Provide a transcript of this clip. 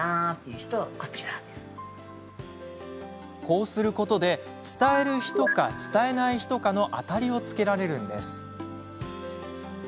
こうすることで伝える人か伝えない人かの当たりをつけられるんです。